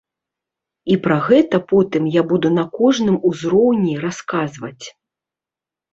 І пра гэта потым я буду на кожным узроўні расказваць.